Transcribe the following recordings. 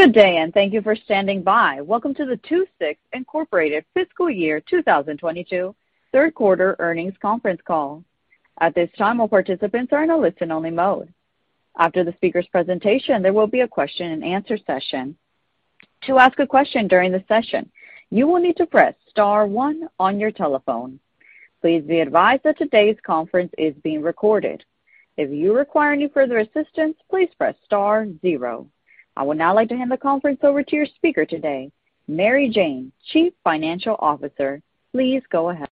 Good day, and thank you for standing by. Welcome to the II-VI Incorporated Fiscal Year 2022 third quarter earnings conference call. At this time, all participants are in a listen-only mode. After the speaker's presentation, there will be a Q&A session. To ask a question during the session, you will need to press star one on your telephone. Please be advised that today's conference is being recorded. If you require any further assistance, please press star zero. I would now like to hand the conference over to your speaker today, Mary Jane Raymond, Chief Financial Officer. Please go ahead.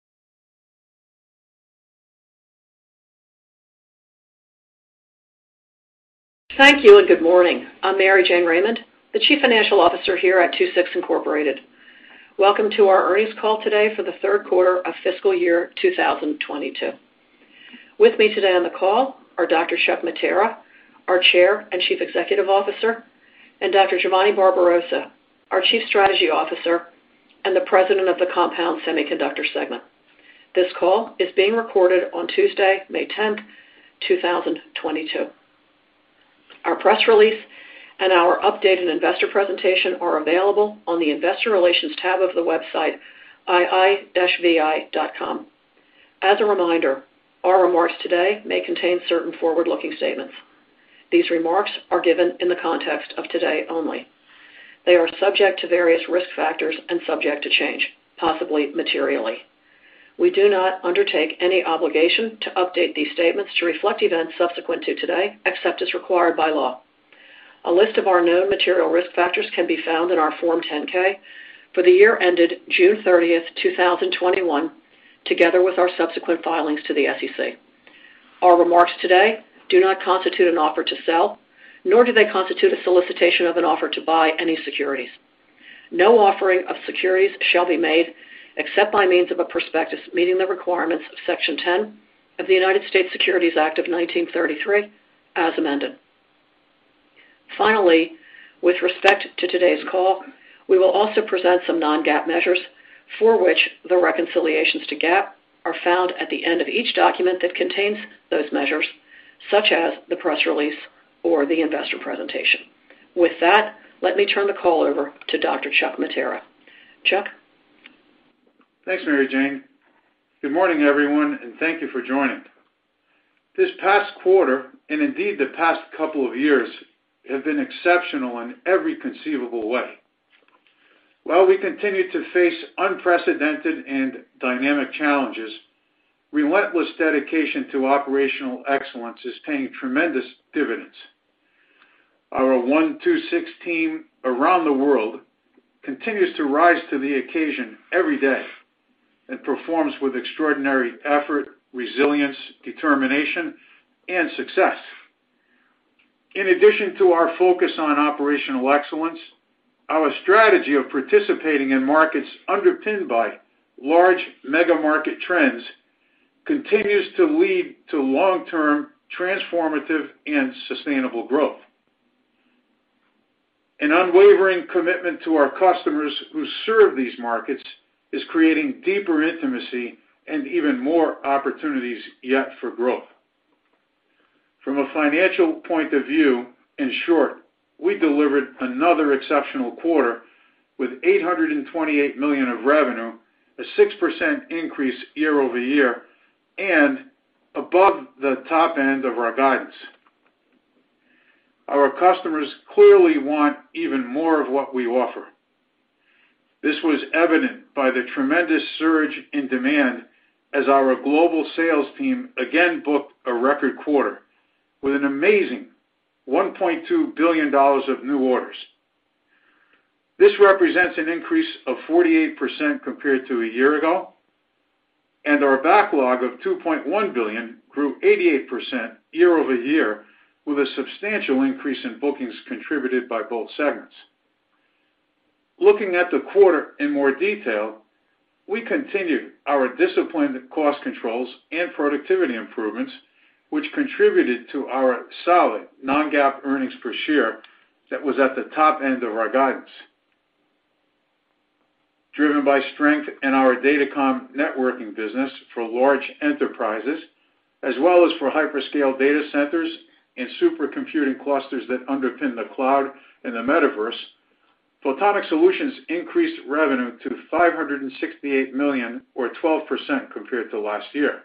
Thank you, and good morning. I'm Mary Jane Raymond, the Chief Financial Officer here at II-VI Incorporated. Welcome to our earnings call today for the third quarter of fiscal year 2022. With me today on the call are Dr. Chuck Mattera, our Chair and Chief Executive Officer, and Dr. Giovanni Barbarossa, our Chief Strategy Officer and the President of the Compound Semiconductors segment. This call is being recorded on Tuesday, May 10th, 2022. Our press release and our updated investor presentation are available on the investor relations tab of the website ii-vi.com. As a reminder, our remarks today may contain certain forward-looking statements. These remarks are given in the context of today only. They are subject to various risk factors and subject to change, possibly materially. We do not undertake any obligation to update these statements to reflect events subsequent to today, except as required by law. A list of our known material risk factors can be found in our Form 10-K for the year ended June 30th, 2021, together with our subsequent filings to the SEC. Our remarks today do not constitute an offer to sell, nor do they constitute a solicitation of an offer to buy any securities. No offering of securities shall be made except by means of a prospectus meeting the requirements of Section 10 of the United States Securities Act of 1933 as amended. Finally, with respect to today's call, we will also present some non-GAAP measures for which the reconciliations to GAAP are found at the end of each document that contains those measures, such as the press release or the investor presentation. With that, let me turn the call over to Dr. Chuck Mattera. Chuck? Thanks, Mary Jane. Good morning, everyone, and thank you for joining. This past quarter, and indeed the past couple of years, have been exceptional in every conceivable way. While we continue to face unprecedented and dynamic challenges, relentless dedication to operational excellence is paying tremendous dividends. Our one II-VI team around the world continues to rise to the occasion every day and performs with extraordinary effort, resilience, determination, and success. In addition to our focus on operational excellence, our strategy of participating in markets underpinned by large mega market trends continues to lead to long-term transformative and sustainable growth. An unwavering commitment to our customers who serve these markets is creating deeper intimacy and even more opportunities yet for growth. From a financial point of view, in short, we delivered another exceptional quarter with $828 million of revenue, a 6% increase year over year, and above the top end of our guidance. Our customers clearly want even more of what we offer. This was evident by the tremendous surge in demand as our global sales team again booked a record quarter with an amazing $1.2 billion of new orders. This represents an increase of 48% compared to a year ago, and our backlog of $2.1 billion grew 88% year over year with a substantial increase in bookings contributed by both segments. Looking at the quarter in more detail, we continued our disciplined cost controls and productivity improvements, which contributed to our solid non-GAAP earnings per share that was at the top end of our guidance. Driven by strength in our Datacom networking business for large enterprises, as well as for hyperscale data centers and supercomputing clusters that underpin the cloud and the metaverse, Photonic Solutions increased revenue to $568 million or 12% compared to last year.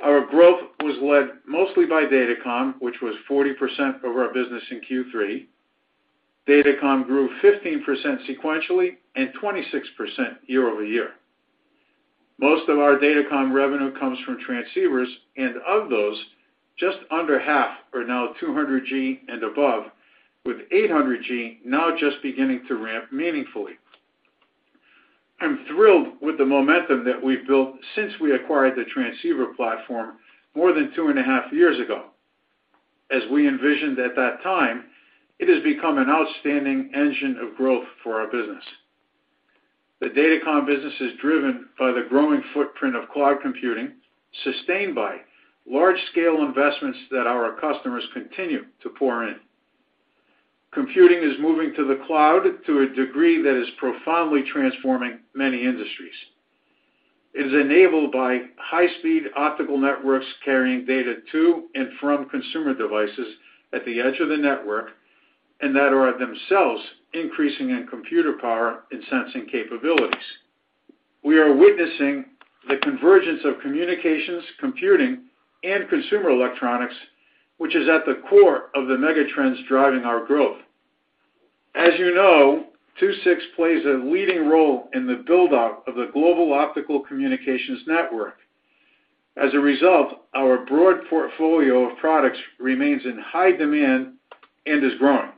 Our growth was led mostly by Datacom, which was 40% of our business in Q3. Datacom grew 15% sequentially and 26% year-over-year. Most of our Datacom revenue comes from transceivers, and of those, just under half are now 200G and above, with 800G now just beginning to ramp meaningfully. I'm thrilled with the momentum that we've built since we acquired the transceiver platform more than two and a half years ago. As we envisioned at that time, it has become an outstanding engine of growth for our business. The Datacom business is driven by the growing footprint of cloud computing, sustained by large-scale investments that our customers continue to pour in. Computing is moving to the cloud to a degree that is profoundly transforming many industries. It is enabled by high speed optical networks carrying data to and from consumer devices at the edge of the network, and that are themselves increasing in computer power and sensing capabilities. We are witnessing the convergence of communications, computing, and consumer electronics, which is at the core of the megatrends driving our growth. As you know, II-VI plays a leading role in the build-up of the global optical communications network. As a result, our broad portfolio of products remains in high demand and is growing.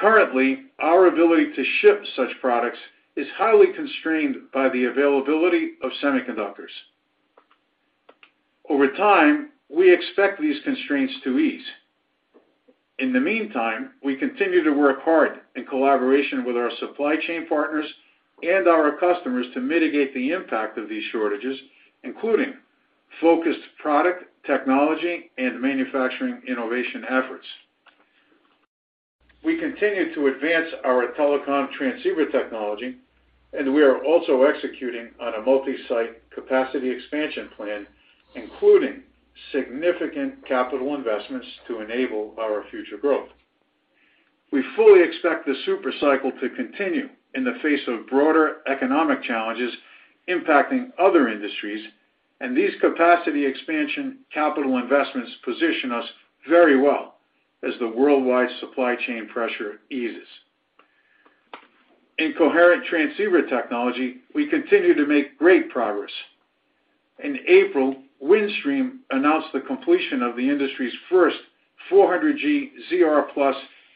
Currently, our ability to ship such products is highly constrained by the availability of semiconductors. Over time, we expect these constraints to ease. In the meantime, we continue to work hard in collaboration with our supply chain partners and our customers to mitigate the impact of these shortages, including focused product, technology, and manufacturing innovation efforts. We continue to advance our telecom transceiver technology, and we are also executing on a multi-site capacity expansion plan, including significant capital investments to enable our future growth. We fully expect this super cycle to continue in the face of broader economic challenges impacting other industries, and these capacity expansion capital investments position us very well as the worldwide supply chain pressure eases. In coherent transceiver technology, we continue to make great progress. In April, Windstream announced the completion of the industry's first 400G ZR+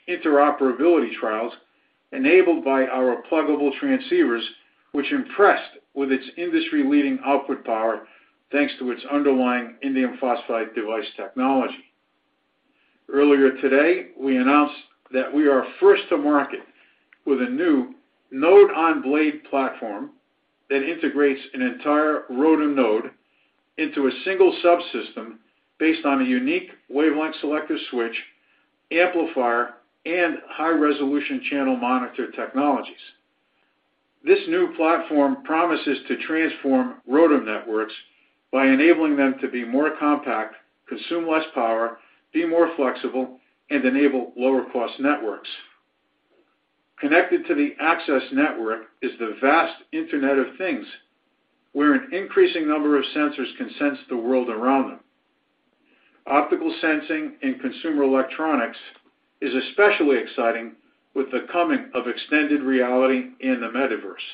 interoperability trials enabled by our pluggable transceivers, which impressed with its industry-leading output power, thanks to its underlying indium phosphide device technology. Earlier today, we announced that we are first to market with a new node on blade platform that integrates an entire ROADM node into a single subsystem based on a unique wavelength selective switch, amplifier, and high-resolution channel monitor technologies. This new platform promises to transform ROADM networks by enabling them to be more compact, consume less power, be more flexible, and enable lower cost networks. Connected to the access network is the vast Internet of Things, where an increasing number of sensors can sense the world around them. Optical sensing in consumer electronics is especially exciting with the coming of extended reality in the metaverse.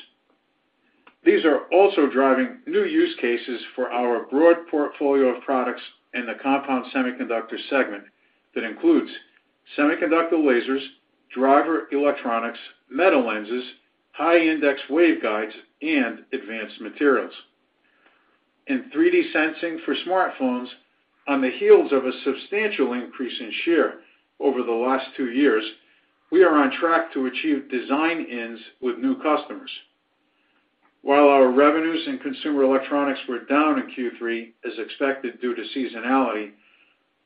These are also driving new use cases for our broad portfolio of products in the compound semiconductor segment that includes semiconductor lasers, driver electronics, metalenses, high index waveguides, and advanced materials. In 3D sensing for smartphones, on the heels of a substantial increase in share over the last two years, we are on track to achieve design-ins with new customers. While our revenues in consumer electronics were down in Q3 as expected due to seasonality,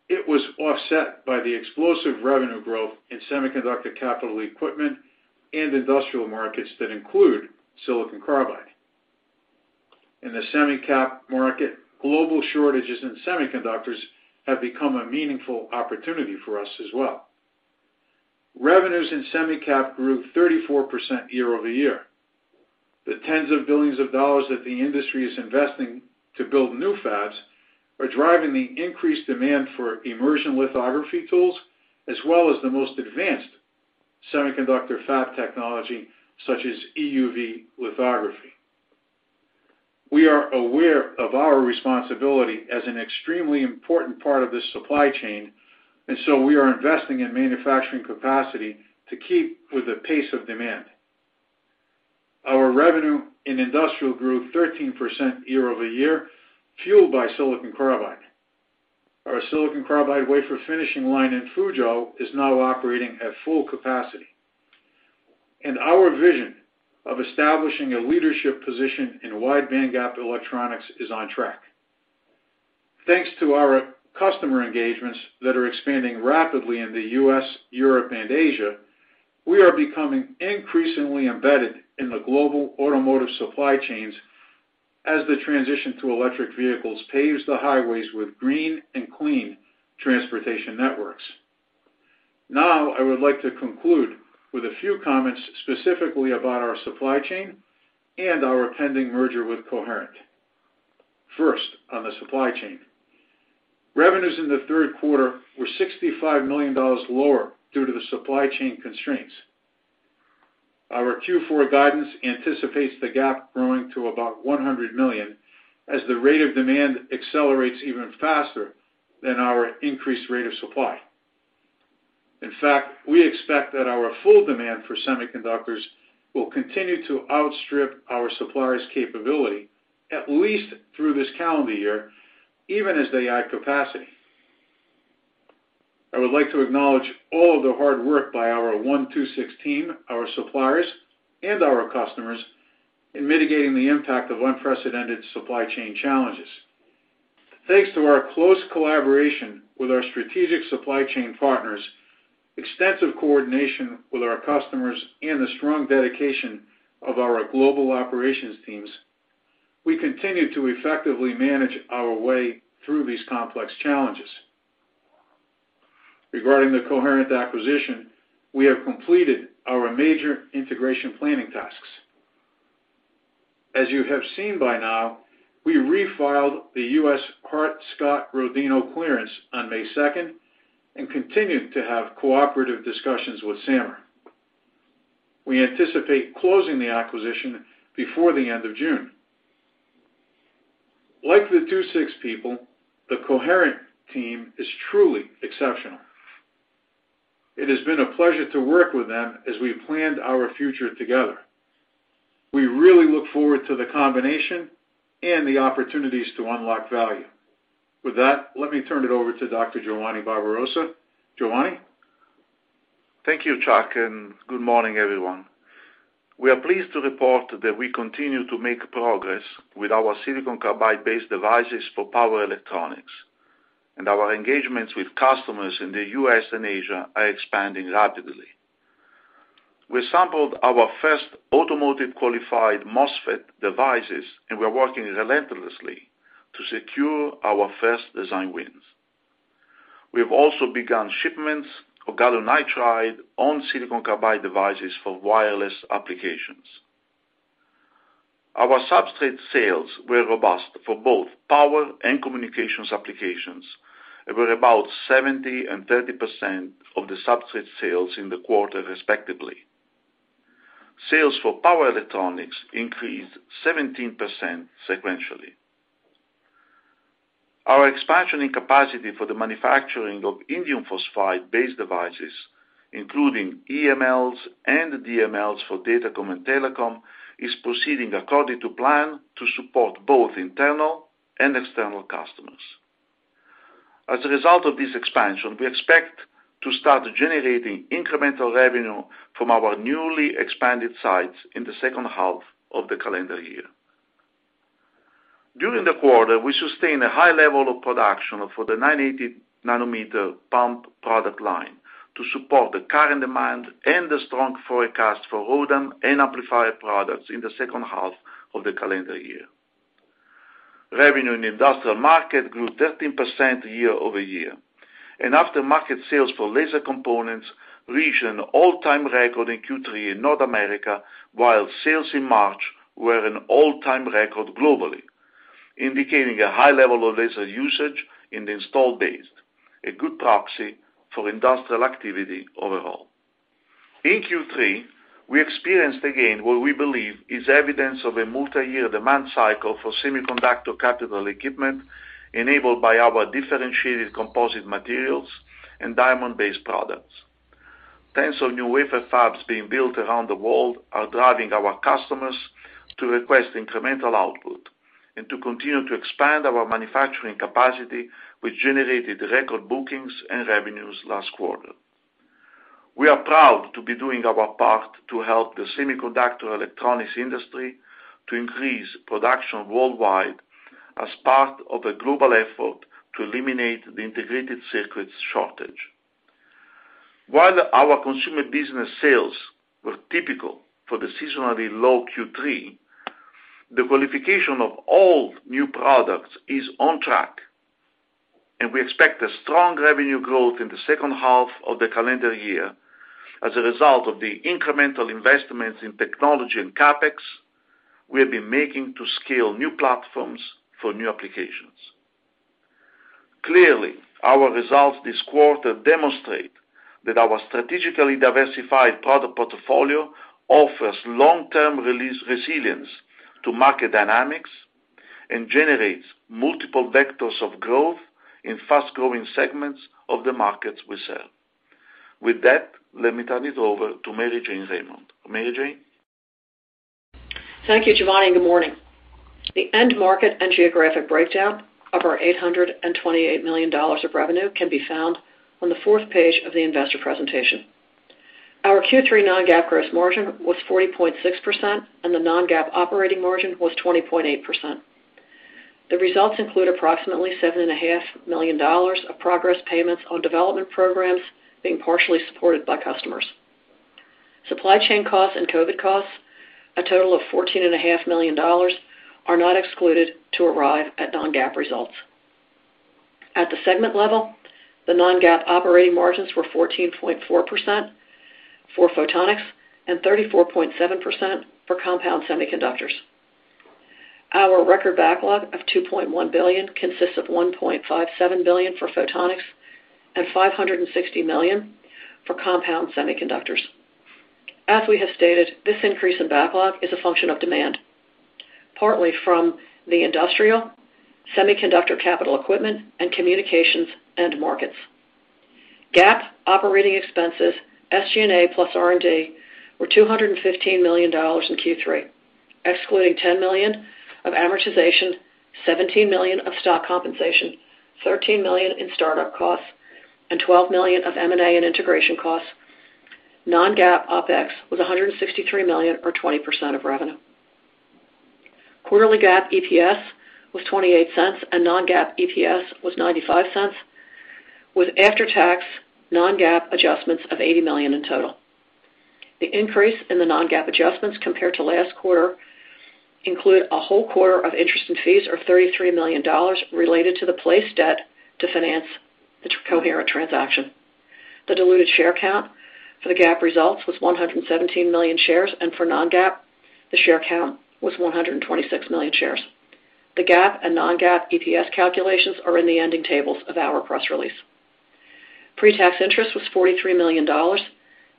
it was offset by the explosive revenue growth in semiconductor capital equipment and industrial markets that include silicon carbide. In the semicap market, global shortages in semiconductors have become a meaningful opportunity for us as well. Revenues in semicap grew 34% year-over-year. The $10s of billions that the industry is investing to build new fabs are driving the increased demand for immersion lithography tools, as well as the most advanced semiconductor fab technology, such as EUV lithography. We are aware of our responsibility as an extremely important part of this supply chain, and so we are investing in manufacturing capacity to keep with the pace of demand. Our revenue in industrial grew 13% year-over-year, fueled by silicon carbide. Our silicon carbide wafer finishing line in Fuzhou is now operating at full capacity. Our vision of establishing a leadership position in wide bandgap electronics is on track. Thanks to our customer engagements that are expanding rapidly in the U.S., Europe, and Asia, we are becoming increasingly embedded in the global automotive supply chains as the transition to electric vehicles paves the highways with green and clean transportation networks. Now, I would like to conclude with a few comments specifically about our supply chain and our pending merger with Coherent. First, on the supply chain. Revenues in the third quarter were $65 million lower due to the supply chain constraints. Our Q4 guidance anticipates the gap growing to about $100 million as the rate of demand accelerates even faster than our increased rate of supply. In fact, we expect that our full demand for semiconductors will continue to outstrip our suppliers' capability at least through this calendar year, even as they add capacity. I would like to acknowledge all the hard work by our II-VI team, our suppliers, and our customers in mitigating the impact of unprecedented supply chain challenges. Thanks to our close collaboration with our strategic supply chain partners, extensive coordination with our customers and the strong dedication of our global operations teams, we continue to effectively manage our way through these complex challenges. Regarding the Coherent acquisition, we have completed our major integration planning tasks. As you have seen by now, we refiled the U.S. Hart-Scott-Rodino clearance on May second and continue to have cooperative discussions with SAMR. We anticipate closing the acquisition before the end of June. Like the II-VI people, the Coherent team is truly exceptional. It has been a pleasure to work with them as we planned our future together. We really look forward to the combination and the opportunities to unlock value. With that, let me turn it over to Dr. Giovanni Barbarossa. Giovanni? Thank you, Chuck, and good morning, everyone. We are pleased to report that we continue to make progress with our silicon carbide-based devices for power electronics, and our engagements with customers in the U.S. and Asia are expanding rapidly. We sampled our first automotive qualified MOSFET devices, and we're working relentlessly to secure our first design wins. We have also begun shipments of gallium nitride on silicon carbide devices for wireless applications. Our substrate sales were robust for both power and communications applications and were about 70% and 30% of the substrate sales in the quarter, respectively. Sales for power electronics increased 17% sequentially. Our expansion and capacity for the manufacturing of indium phosphide-based devices, including EMLs and DMLs for datacom and telecom, is proceeding according to plan to support both internal and external customers. As a result of this expansion, we expect to start generating incremental revenue from our newly expanded sites in the second half of the calendar year. During the quarter, we sustained a high level of production for the 980 nm pump product line to support the current demand and the strong forecast for ROADM and amplifier products in the second half of the calendar year. Revenue in the industrial market grew 13% year-over-year, and aftermarket sales for laser components reached an all-time record in Q3 in North America, while sales in March were an all-time record globally, indicating a high level of laser usage in the installed base, a good proxy for industrial activity overall. In Q3, we experienced again what we believe is evidence of a multiyear demand cycle for semiconductor capital equipment enabled by our differentiated composite materials and diamond-based products. Tens of new wafer fabs being built around the world are driving our customers to request incremental output and to continue to expand our manufacturing capacity, which generated record bookings and revenues last quarter. We are proud to be doing our part to help the semiconductor electronics industry to increase production worldwide as part of a global effort to eliminate the integrated circuits shortage. While our consumer business sales were typical for the seasonally low Q3, the qualification of all new products is on track and we expect a strong revenue growth in the second half of the calendar year as a result of the incremental investments in technology and CapEx we have been making to scale new platforms for new applications. Clearly, our results this quarter demonstrate that our strategically diversified product portfolio offers long-term release resilience to market dynamics and generates multiple vectors of growth in fast-growing segments of the markets we sell. With that, let me turn it over to Mary Jane Raymond. Mary Jane? Thank you, Giovanni, and good morning. The end market and geographic breakdown of our $828 million of revenue can be found on the fourth page of the investor presentation. Our Q3 non-GAAP gross margin was 40.6%, and the non-GAAP operating margin was 20.8%. The results include approximately $7 and a half million of progress payments on development programs being partially supported by customers. Supply chain costs and COVID costs, a total of $14 and a half million, are not excluded to arrive at non-GAAP results. At the segment level, the non-GAAP operating margins were 14.4% for Photonics and 34.7% for Compound Semiconductors. Our record backlog of $2.1 billion consists of $1.57 billion for Photonics and $560 million for Compound Semiconductors. As we have stated, this increase in backlog is a function of demand, partly from the industrial semiconductor capital equipment and communications end markets. GAAP operating expenses, SG&A plus R&D, were $215 million in Q3. Excluding $10 million of amortization, $17 million of stock compensation, $13 million in startup costs, and $12 million of M&A and integration costs. Non-GAAP OpEx was $163 million or 20% of revenue. Quarterly GAAP EPS was $0.28 and non-GAAP EPS was $0.95 with after-tax non-GAAP adjustments of $80 million in total. The increase in the non-GAAP adjustments compared to last quarter include a whole quarter of interest and fees of $33 million related to the placed debt to finance the Coherent transaction. The diluted share count for the GAAP results was 117 million shares, and for non-GAAP, the share count was 126 million shares. The GAAP and non-GAAP EPS calculations are in the ending tables of our press release. Pre-tax interest was $43 million.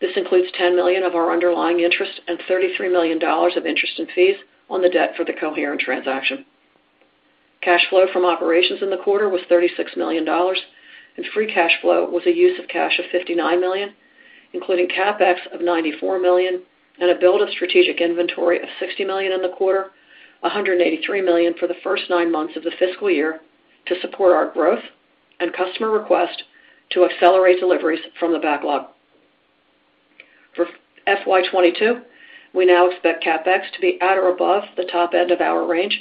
This includes $10 million of our underlying interest and $33 million of interest and fees on the debt for the Coherent transaction. Cash flow from operations in the quarter was $36 million, and free cash flow was a use of cash of $59 million, including CapEx of $94 million and a build of strategic inventory of $60 million in the quarter, $183 million for the first nine months of the fiscal year to support our growth and customer request to accelerate deliveries from the backlog. For FY 2022, we now expect CapEx to be at or above the top end of our range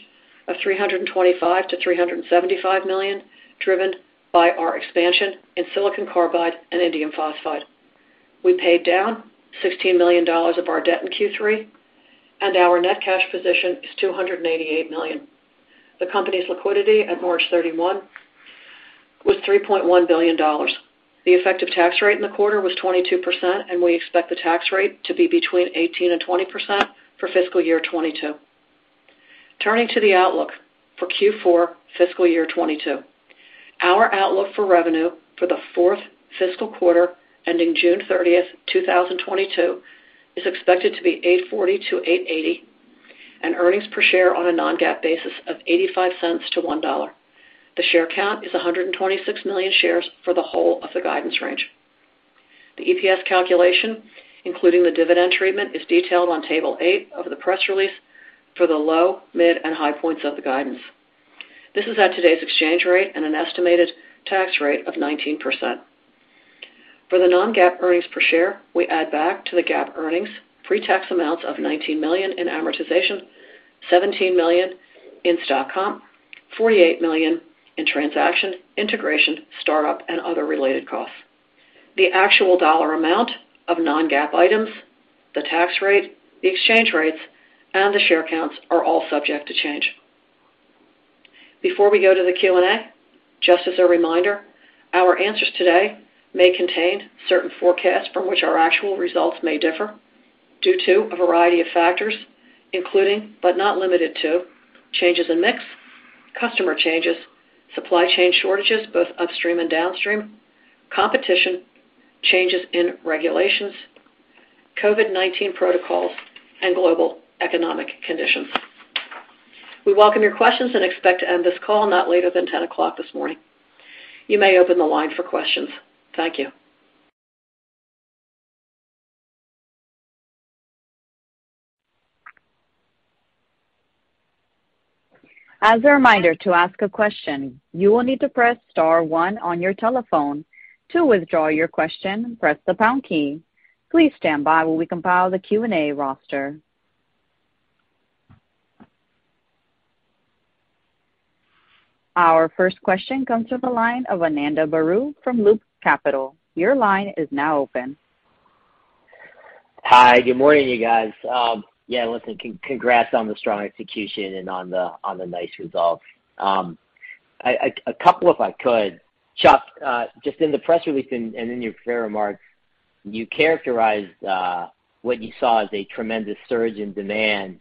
of $325 million-$375 million, driven by our expansion in silicon carbide and indium phosphide. We paid down $16 million of our debt in Q3, and our net cash position is $288 million. The company's liquidity at March 31 was $3.1 billion. The effective tax rate in the quarter was 22%, and we expect the tax rate to be between 18%-20% for fiscal year 2022. Turning to the outlook for Q4 fiscal year 2022. Our outlook for revenue for the fourth fiscal quarter ending June 30th, 2022, is expected to be $840 million-$880 million, and earnings per share on a non-GAAP basis of $0.85-$1.00. The share count is 126 million shares for the whole of the guidance range. The EPS calculation, including the dividend treatment, is detailed on table eight of the press release for the low, mid, and high points of the guidance. This is at today's exchange rate and an estimated tax rate of 19%. For the non-GAAP earnings per share, we add back to the GAAP earnings pre-tax amounts of $19 million in amortization, $17 million in stock comp, $48 million in transaction, integration, startup, and other related costs. The actual dollar amount of non-GAAP items, the tax rate, the exchange rates, and the share counts are all subject to change. Before we go to the Q&A, just as a reminder, our answers today may contain certain forecasts from which our actual results may differ due to a variety of factors, including, but not limited to, changes in mix, customer changes, supply chain shortages, both upstream and downstream, competition, changes in regulations, COVID-19 protocols, and global economic conditions. We welcome your questions and expect to end this call not later than 10:00 AM. You may open the line for questions. Thank you. As a reminder, to ask a question, you will need to press star one on your telephone. To withdraw your question, press the pound key. Please stand by while we compile the Q&A roster. Our first question comes from the line of Ananda Baruah from Loop Capital. Your line is now open. Hi. Good morning, you guys. Yeah, listen, congrats on the strong execution and on the nice results. A couple, if I could. Chuck, just in the press release and in your prepared remarks, you characterized what you saw as a tremendous surge in demand.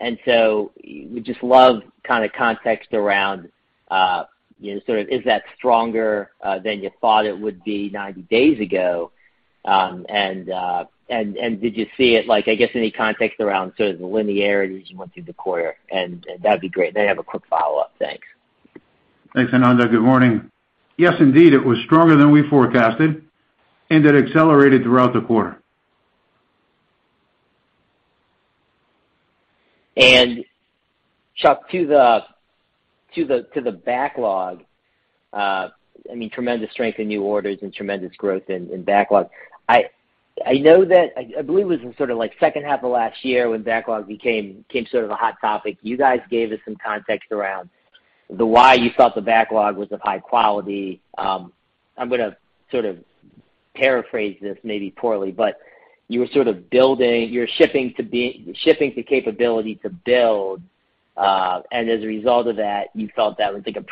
We'd just love kinda context around, you know, sort of is that stronger than you thought it would be 90 days ago? Did you see it like, I guess, any context around sort of the linearities you went through the quarter. That'd be great. Then I have a quick follow-up. Thanks. Thanks, Ananda. Good morning. Yes, indeed, it was stronger than we forecasted, and it accelerated throughout the quarter. Chuck, to the backlog, I mean, tremendous strength in new orders and tremendous growth in backlog. I know that I believe it was in sort of like second half of last year when backlog became sort of a hot topic. You guys gave us some context around the why you thought the backlog was of high quality. I'm gonna sort of paraphrase this maybe poorly, but you were sort of building your shipping capability to build, and as a result of that, you felt that was like a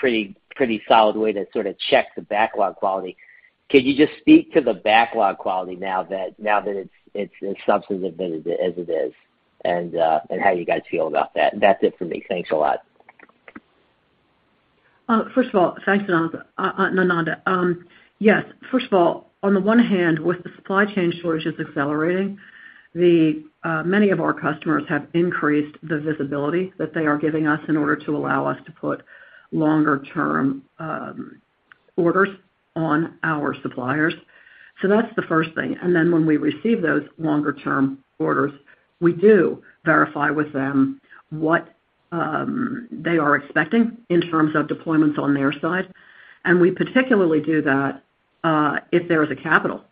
pretty solid way to sort of check the backlog quality. Could you just speak to the backlog quality now that it's as substantive as it is and how you guys feel about that? That's it for me. Thanks a lot. First of all, thanks, Ananda. Yes. First of all, on the one hand, with the supply chain shortages accelerating, many of our customers have increased the visibility that they are giving us in order to allow us to put longer-term orders on our suppliers. That's the first thing. Then when we receive those longer-term orders, we do verify with them what they are expecting in terms of deployments on their side. We particularly do that if there is a capital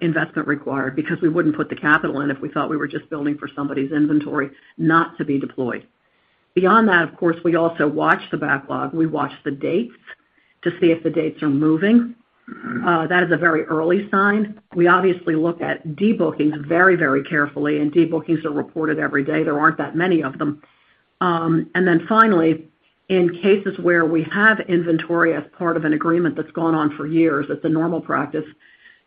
investment required because we wouldn't put the capital in if we thought we were just building for somebody's inventory not to be deployed. Beyond that, of course, we also watch the backlog. We watch the dates to see if the dates are moving. That is a very early sign. We obviously look at debookings very, very carefully, and debookings are reported every day. There aren't that many of them. Finally, in cases where we have inventory as part of an agreement that's gone on for years, it's a normal practice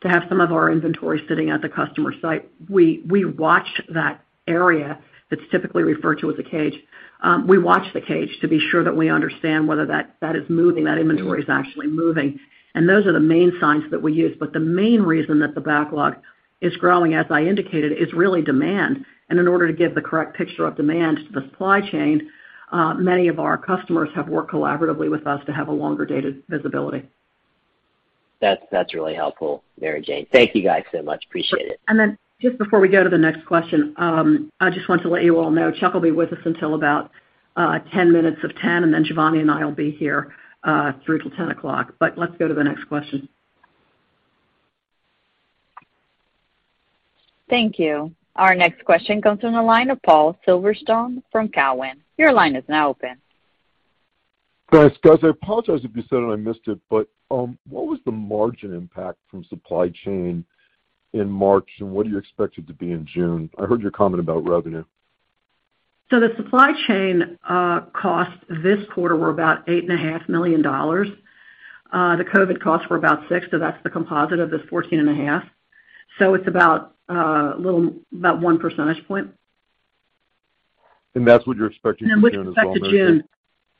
to have some of our inventory sitting at the customer site. We watch that area that's typically referred to as a cage. We watch the cage to be sure that we understand whether that is moving, that inventory is actually moving. Those are the main signs that we use. The main reason that the backlog is growing, as I indicated, is really demand. In order to give the correct picture of demand to the supply chain, many of our customers have worked collaboratively with us to have a longer data visibility. That's really helpful, Mary Jane. Thank you guys so much. Appreciate it. Then just before we go to the next question, I just want to let you all know, Chuck will be with us until about 9:50 AM, and then Giovanni and I will be here through till 10:00 AM. Let's go to the next question. Thank you. Our next question comes from the line of Paul Silverstein from Cowen. Your line is now open. Thanks, guys. I apologize if you said it, I missed it, but, what was the margin impact from supply chain in March, and what do you expect it to be in June? I heard your comment about revenue. The supply chain costs this quarter were about $8.5 million. The COVID costs were about $6 million. That's the composite of this $14.5 million. It's about a little above 1 percentage point. That's what you're expecting for June as well, Mary Jane? What's expected June.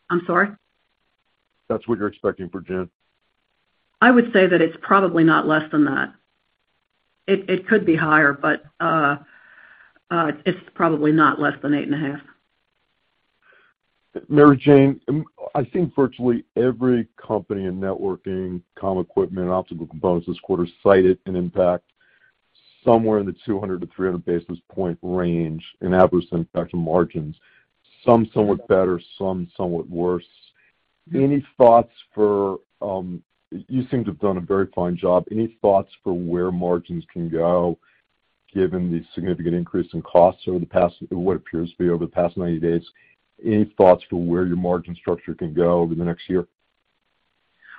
I'm sorry? That's what you're expecting for June? I would say that it's probably not less than that. It could be higher, but it's probably not less than 8.5. Mary Jane, I think virtually every company in networking, comm equipment, optical components this quarter cited an impact somewhere in the 200-300 basis point range in adverse impact to margins, some somewhat better, some somewhat worse. You seem to have done a very fine job. Any thoughts for where margins can go given the significant increase in costs over the past, what appears to be over the past 90 days? Any thoughts for where your margin structure can go over the next year?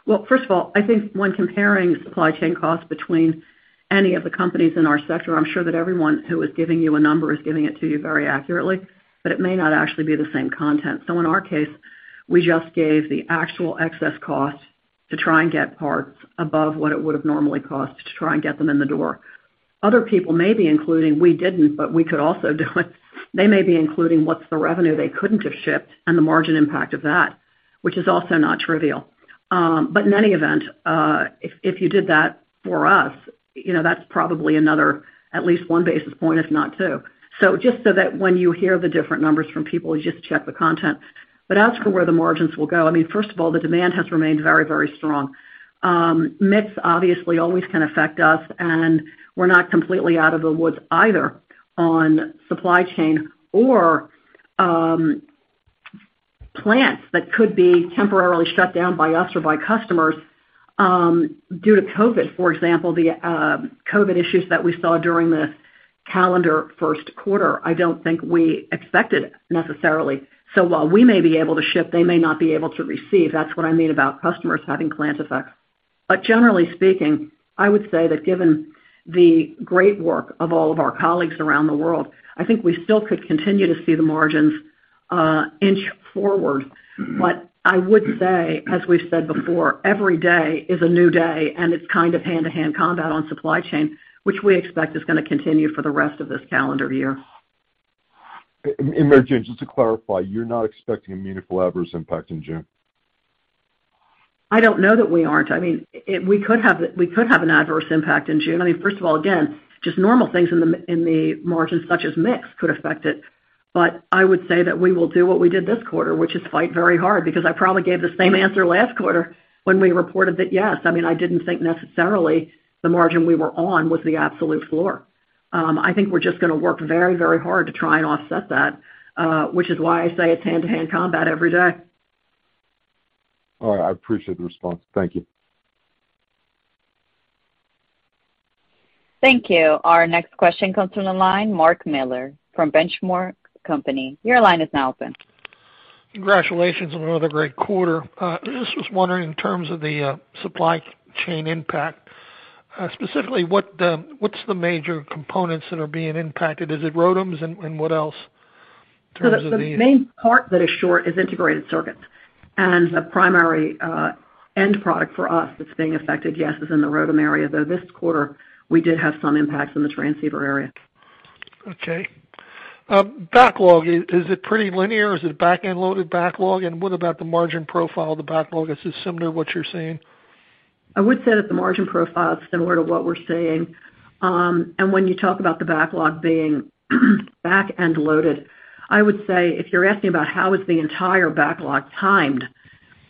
Well, first of all, I think when comparing supply chain costs between any of the companies in our sector, I'm sure that everyone who is giving you a number is giving it to you very accurately, but it may not actually be the same content. In our case, we just gave the actual excess cost to try and get parts above what it would have normally cost to try and get them in the door. Other people may be including, we didn't, but we could also do it. They may be including what's the revenue they couldn't have shipped and the margin impact of that, which is also not trivial. But in any event, if you did that for us, you know, that's probably another at least 1 basis point, if not two. Just so that when you hear the different numbers from people, you just check the content. As for where the margins will go, I mean, first of all, the demand has remained very, very strong. Mix obviously always can affect us, and we're not completely out of the woods either on supply chain or plants that could be temporarily shut down by us or by customers due to COVID. For example, the COVID issues that we saw during the calendar first quarter, I don't think we expected necessarily. While we may be able to ship, they may not be able to receive. That's what I mean about customers having plant effects. Generally speaking, I would say that given the great work of all of our colleagues around the world, I think we still could continue to see the margins inch forward. Mm-hmm. I would say, as we've said before, every day is a new day, and it's kind of hand-to-hand combat on supply chain, which we expect is going to continue for the rest of this calendar year. Mary Jane, just to clarify, you're not expecting a meaningful adverse impact in June? I don't know that we aren't. I mean, it—we could have an adverse impact in June. I mean, first of all, again, just normal things in the margins such as mix could affect it. I would say that we will do what we did this quarter, which is fight very hard, because I probably gave the same answer last quarter when we reported that, yes. I mean, I didn't think necessarily the margin we were on was the absolute floor. I think we're just going to work very hard to try and offset that, which is why I say it's hand-to-hand combat every day. All right. I appreciate the response. Thank you. Thank you. Our next question comes from the line, Mark Miller from The Benchmark Company. Your line is now open. Congratulations on another great quarter. I just was wondering in terms of the supply chain impact, specifically what's the major components that are being impacted? Is it ROADMs, and what else in terms of the The main part that is short is integrated circuits, and the primary end product for us that's being affected, yes, is in the ROADM area, though this quarter we did have some impacts in the transceiver area. Okay. Backlog, is it pretty linear? Is it back-end loaded backlog? What about the margin profile of the backlog? Is it similar to what you're seeing? I would say that the margin profile is similar to what we're seeing. When you talk about the backlog being back-end loaded, I would say if you're asking about how is the entire backlog timed.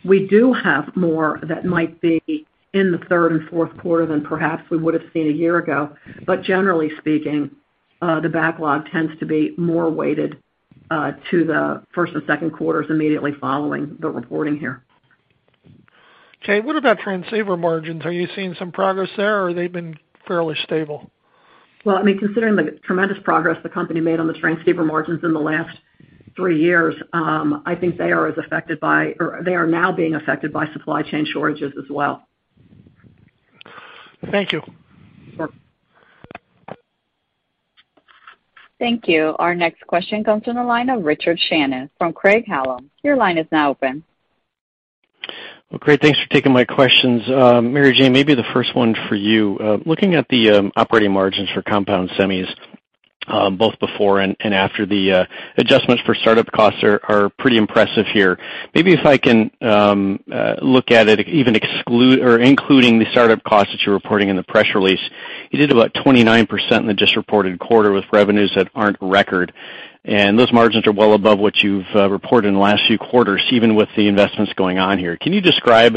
We do have more that might be in the third and fourth quarter than perhaps we would have seen a year ago. Generally speaking, the backlog tends to be more weighted to the first and second quarters immediately following the reporting here. Okay. What about transceiver margins? Are you seeing some progress there, or they've been fairly stable? Well, I mean, considering the tremendous progress the company made on the transceiver margins in the last three years, I think they are now being affected by supply chain shortages as well. Thank you. Sure. Thank you. Our next question comes from the line of Richard Shannon from Craig-Hallum. Your line is now open. Well, great. Thanks for taking my questions. Mary Jane, maybe the first one for you. Looking at the operating margins for compound semis, both before and after the adjustments for startup costs are pretty impressive here. Maybe if I can look at it, even excluding or including the startup costs that you're reporting in the press release. You did about 29% in the just reported quarter with revenues that aren't record. Those margins are well above what you've reported in the last few quarters, even with the investments going on here. Can you describe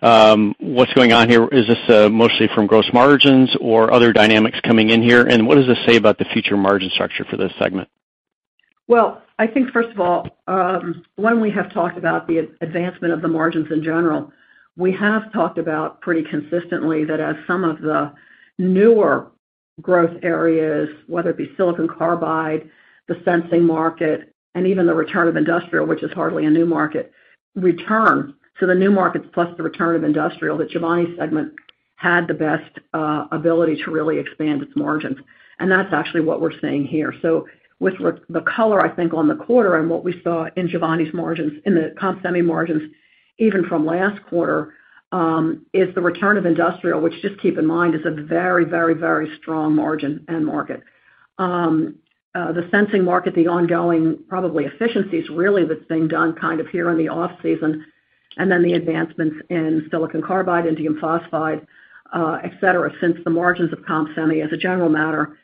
what's going on here? Is this mostly from gross margins or other dynamics coming in here? What does this say about the future margin structure for this segment? Well, I think first of all, when we have talked about the advancement of the margins in general, we have talked about pretty consistently that as some of the newer growth areas, whether it be silicon carbide, the sensing market, and even the return of industrial, which is hardly a new market. The new markets plus the return of industrial, the Giovanni segment had the best ability to really expand its margins. That's actually what we're seeing here. With the color, I think on the quarter and what we saw in Giovanni's margins, in the comp semi margins, even from last quarter, is the return of industrial, which, just keep in mind, is a very strong margin end market. The sensing market, the ongoing probably efficiencies, really that's being done kind of here in the off-season, and then the advancements in silicon carbide, indium phosphide, et cetera, since the margins of comp semi, as a general matter,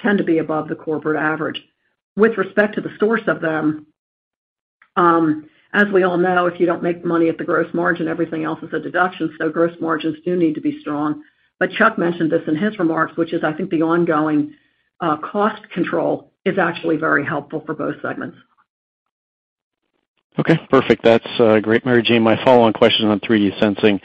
tend to be above the corporate average. With respect to the source of them, as we all know, if you don't make money at the gross margin, everything else is a deduction, so gross margins do need to be strong. Chuck mentioned this in his remarks, which is I think the ongoing cost control is actually very helpful for both segments. Okay, perfect. That's great, Mary Jane. My follow-on question on 3D sensing.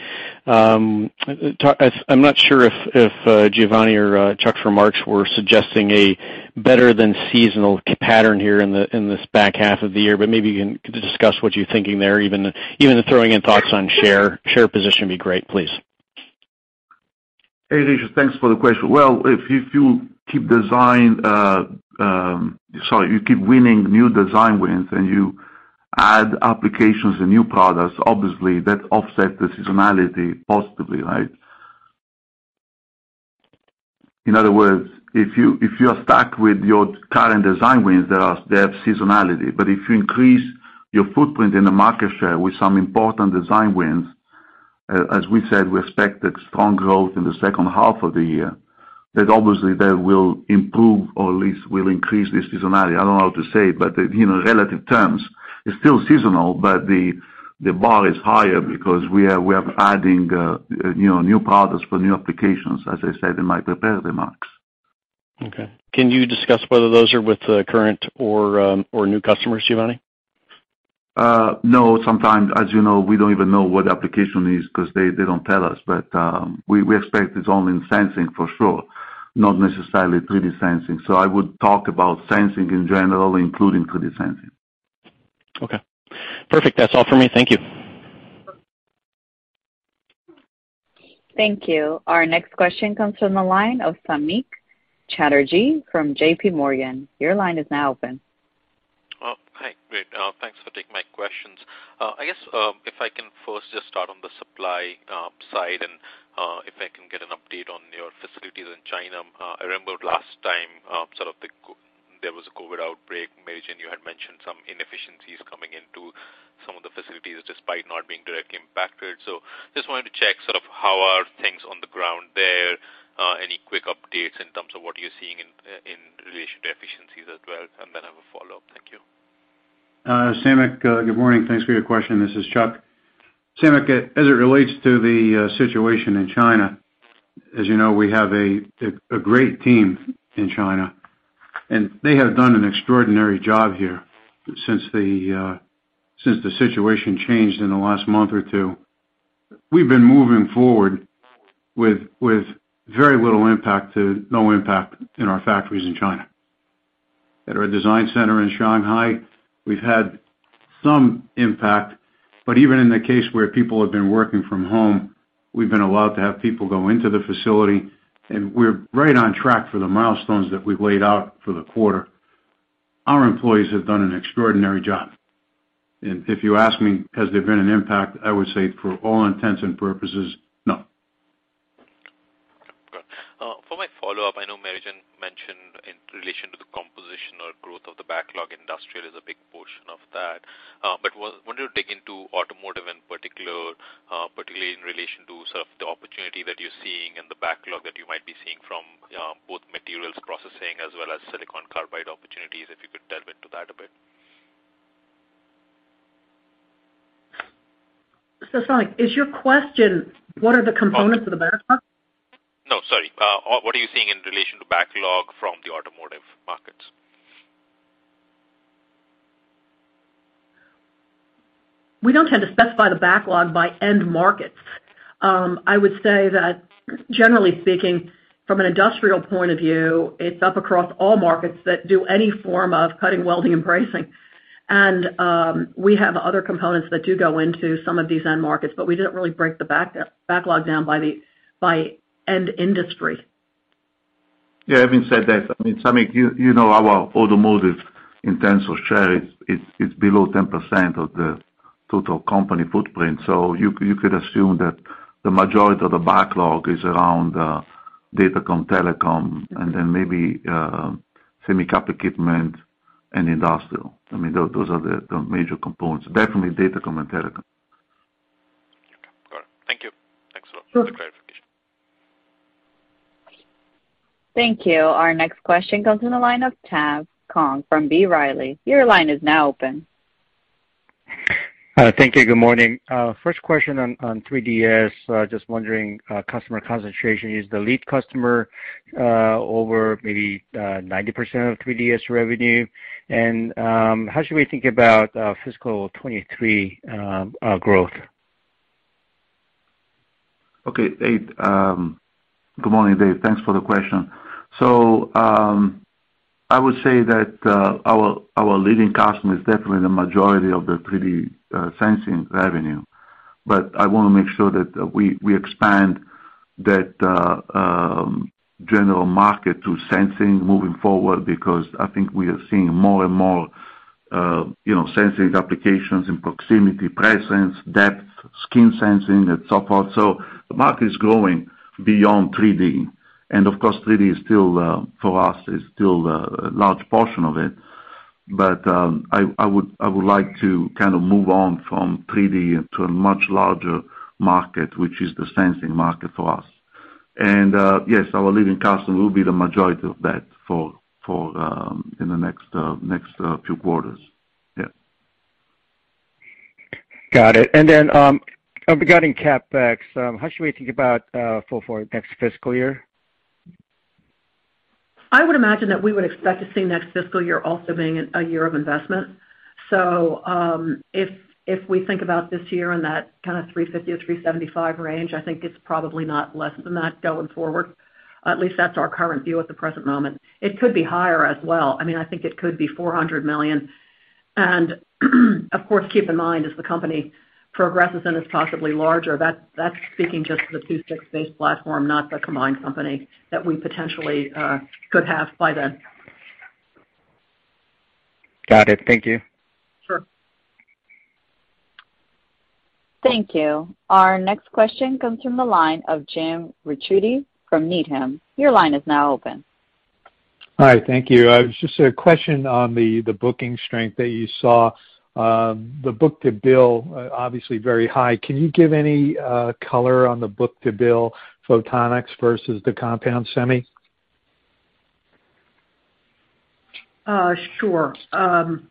I'm not sure if Giovanni or Chuck's remarks were suggesting a better than seasonal pattern here in this back half of the year, but maybe you can discuss what you're thinking there, even throwing in thoughts on share position would be great, please. Hey, Richard, thanks for the question. If you keep winning new design wins and you add applications and new products, obviously that offset the seasonality positively, right? In other words, if you are stuck with your current design wins, they have seasonality. If you increase your footprint in the market share with some important design wins, as we said, we expect that strong growth in the second half of the year, then obviously that will improve or at least will increase the seasonality. I don't know how to say it, you know, relative terms, it's still seasonal, but the bar is higher because we are adding, you know, new products for new applications, as I said in my prepared remarks. Okay. Can you discuss whether those are with current or new customers, Giovanni? No. Sometimes, as you know, we don't even know what the application is 'cause they don't tell us. We expect it's all in sensing for sure, not necessarily 3D sensing. I would talk about sensing in general, including 3D sensing. Okay. Perfect. That's all for me. Thank you. Thank you. Our next question comes from the line of Samik Chatterjee from JPMorgan. Your line is now open. Oh, hi. Great. Thanks for taking my questions. I guess if I can first just start on the supply side and if I can get an update on your facilities in China. I remember last time, sort of, there was a COVID outbreak, Mary Jane. You had mentioned some inefficiencies coming into some of the facilities despite not being directly impacted. Just wanted to check sort of how are things on the ground there, any quick updates in terms of what you're seeing in relation to efficiencies as well? I have a follow-up. Thank you. Samik, good morning. Thanks for your question. This is Chuck. Samik, as it relates to the situation in China, as you know, we have a great team in China, and they have done an extraordinary job here since the situation changed in the last month or two. We've been moving forward with very little impact to no impact in our factories in China. At our design center in Shanghai, we've had some impact, but even in the case where people have been working from home, we've been allowed to have people go into the facility, and we're right on track for the milestones that we've laid out for the quarter. Our employees have done an extraordinary job. If you ask me, has there been an impact? I would say for all intents and purposes, no. Okay. For my follow-up, I know Mary Jane mentioned in relation to the composition or growth of the backlog, industrial is a big portion of that. When you dig into automotive in particular in relation to sort of the opportunity that you're seeing and the backlog that you might be seeing from both materials processing as well as silicon carbide opportunities, if you could delve into that a bit. Samik, is your question what are the components of the backlog? No, sorry. What are you seeing in relation to backlog from the automotive markets? We don't tend to specify the backlog by end markets. I would say that generally speaking, from an industrial point of view, it's up across all markets that do any form of cutting, welding, and brazing. We have other components that do go into some of these end markets, but we didn't really break the backlog down by the, by end industry. Yeah, having said that, I mean, Samik, you know our automotive in terms of share, it's below 10% of the total company footprint. So you could assume that the majority of the backlog is around datacom, telecom, and then maybe semicap equipment and industrial. I mean, those are the major components. Definitely datacom and telecom. Okay. Got it. Thank you. Thanks a lot for the clarification. Sure. Thank you. Our next question comes from the line of Dave Kang from B. Riley. Your line is now open. Thank you. Good morning. First question on 3D sensing. Just wondering, customer concentration. Is the lead customer over maybe 90% of 3D sensing revenue? How should we think about fiscal 2023 growth? Okay. Hey, good morning, Dave. Thanks for the question. I would say that our leading customer is definitely the majority of the 3D sensing revenue. But I wanna make sure that we expand that general market to sensing moving forward because I think we are seeing more and more, you know, sensing applications in proximity presence, depth, skin sensing and so forth. The market is growing beyond 3D. And of course, 3D is still for us a large portion of it. But I would like to kind of move on from 3D into a much larger market, which is the sensing market for us. And yes, our leading customer will be the majority of that for in the next few quarters. Yeah. Got it. Regarding CapEx, how should we think about for next fiscal year? I would imagine that we would expect to see next fiscal year also being a year of investment. If we think about this year in that kind of $350-$375 range, I think it's probably not less than that going forward. At least that's our current view at the present moment. It could be higher as well. I mean, I think it could be $400 million. Of course, keep in mind as the company progresses and is possibly larger, that's speaking just to the II-VI based platform, not the combined company that we potentially could have by then. Got it. Thank you. Sure. Thank you. Our next question comes from the line of Jim Ricchiuti from Needham. Your line is now open. Hi, thank you. It's just a question on the booking strength that you saw. The book-to-bill, obviously very high. Can you give any color on the book-to-bill photonics versus the compound semi? Sure. The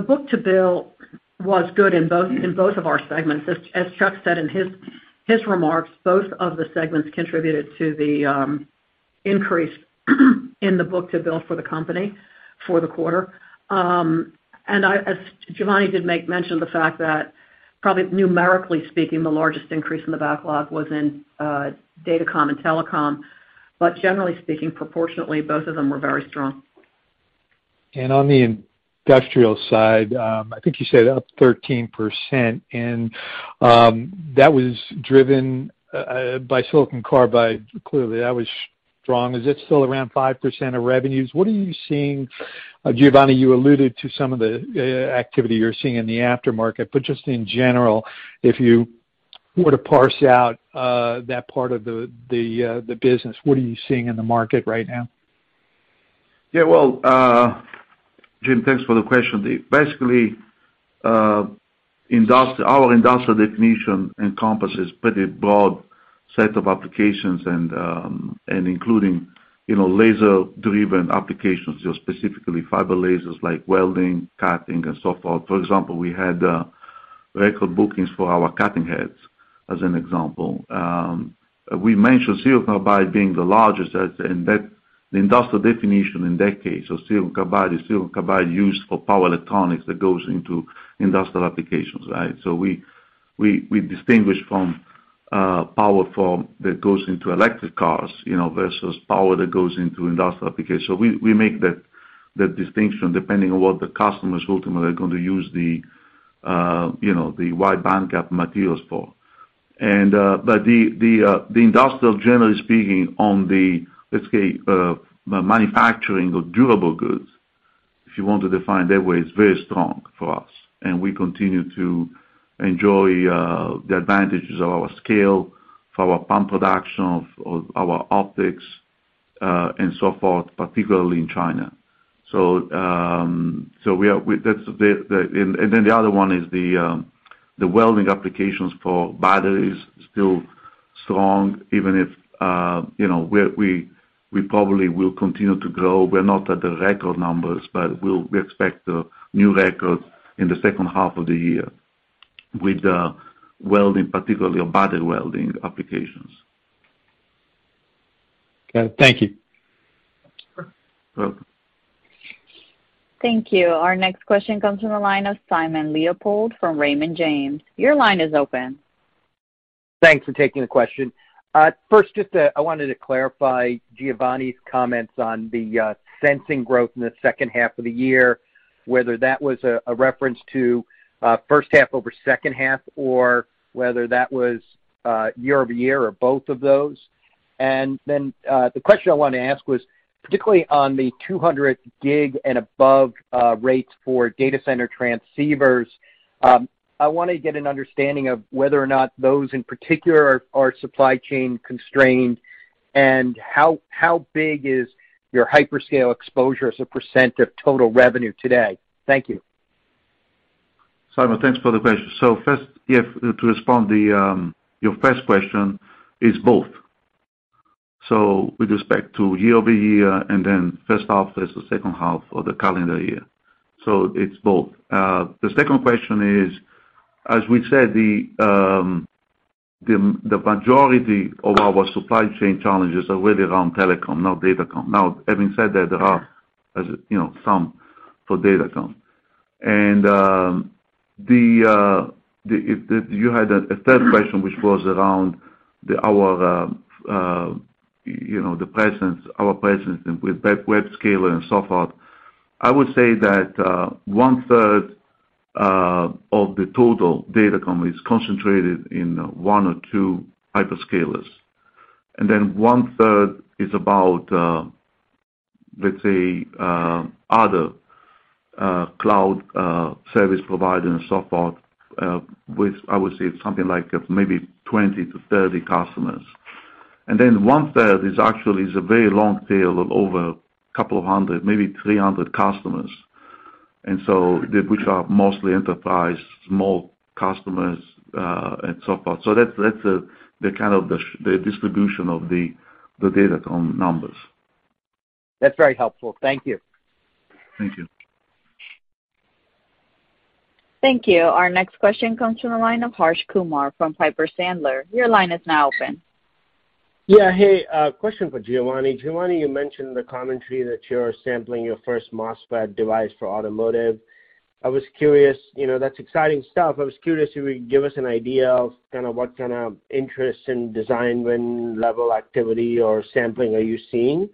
book-to-bill was good in both of our segments. As Chuck said in his remarks, both of the segments contributed to the increase in the book-to-bill for the company for the quarter. As Giovanni did make mention of the fact that probably numerically speaking, the largest increase in the backlog was in Datacom and telecom. Generally speaking, proportionately, both of them were very strong. On the industrial side, I think you said up 13%, and that was driven by silicon carbide. Clearly, that was strong. Is it still around 5% of revenues? What are you seeing? Giovanni, you alluded to some of the activity you're seeing in the aftermarket, but just in general, if you were to parse out that part of the business, what are you seeing in the market right now? Yeah, well, Jim, thanks for the question. Basically, our industrial definition encompasses pretty broad set of applications and including, you know, laser-driven applications, specifically fiber lasers like welding, cutting and so forth. For example, we had record bookings for our cutting heads, as an example. We mentioned silicon carbide being the largest, and the industrial definition in that case of silicon carbide is silicon carbide used for power electronics that goes into industrial applications, right? We distinguish from power form that goes into electric cars, you know, versus power that goes into industrial applications. We make that distinction depending on what the customers ultimately are gonna use the, you know, the wide bandgap materials for. But the industrial generally speaking on the, let's say, the manufacturing of durable goods, if you want to define that way, is very strong for us, and we continue to enjoy the advantages of our scale for our pump production of our optics and so forth, particularly in China. That's the. Then the other one is the welding applications for batteries is still strong even if you know we probably will continue to grow. We're not at the record numbers, but we expect new records in the second half of the year with the welding, particularly on battery welding applications. Okay, thank you. You're welcome. Thank you. Our next question comes from the line of Simon Leopold from Raymond James. Your line is open. Thanks for taking the question. First, just, I wanted to clarify Giovanni's comments on the sensing growth in the second half of the year, whether that was a reference to first half over second half, or whether that was year-over-year or both of those. Then, the question I wanted to ask was particularly on the 200GB and above rates for data center transceivers, I wanna get an understanding of whether or not those in particular are supply chain constrained, and how big is your hyperscale exposure as a % of total revenue today? Thank you. Simon, thanks for the question. First, yeah, to respond to your first question, it's both. With respect to year-over-year and then first half versus second half of the calendar year, it's both. The second question is, as we said, the majority of our supply chain challenges are really around Telecom, not Datacom. Now, having said that, there are, as you know, some for Datacom. You had a third question which was around our, you know, the presence, our presence with web-scale and so forth. I would say that one-third of the total Datacom is concentrated in one or two hyperscalers. One-third is about, let's say, other cloud service providers and so forth, with I would say it's something like maybe 20-30 customers. One-third is actually a very long tail of over a couple of hundred, maybe 300 customers. They push up mostly enterprise, small customers and so forth. That's the kind of the distribution of the Datacom numbers. That's very helpful. Thank you. Thank you. Thank you. Our next question comes from the line of Harsh Kumar from Piper Sandler. Your line is now open. Yeah. Hey, question for Giovanni. Giovanni, you mentioned in the commentary that you're sampling your first MOSFET device for automotive. I was curious, you know, that's exciting stuff. I was curious if you could give us an idea of kinda what kinda interest in design win level activity or sampling are you seeing?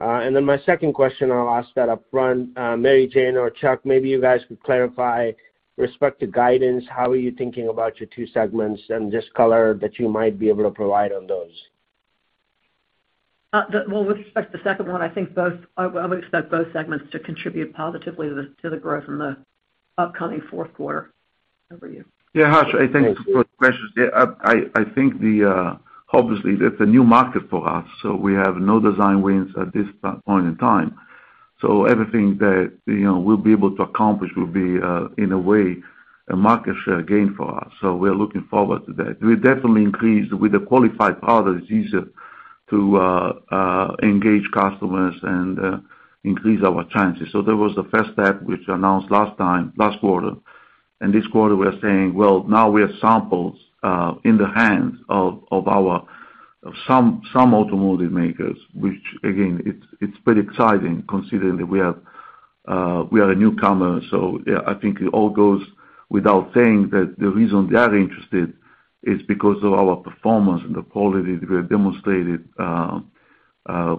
My second question I'll ask that upfront, Mary Jane or Chuck, maybe you guys could clarify with respect to guidance, how are you thinking about your two segments and just color that you might be able to provide on those? Well, with respect to the second one, I would expect both segments to contribute positively to the growth in the upcoming fourth quarter. Over to you. Yeah, Harsh, I thank you for the questions. Yeah, I think that obviously that's a new market for us, so we have no design wins at this point in time. Everything that, you know, we'll be able to accomplish will be in a way a market share gain for us, so we are looking forward to that. We definitely engaged with the qualified partners, it's easier to engage customers and increase our chances. There was the first step, which was announced last time, last quarter. This quarter we are saying, well, now we have samples in the hands of some automotive makers, which again, it's pretty exciting considering that we are a newcomer. Yeah, I think it all goes without saying that the reason they are interested is because of our performance and the quality we have demonstrated,